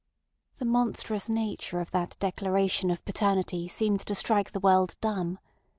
The monstrous nature of that declaration of paternity seemed to strike the world dumb.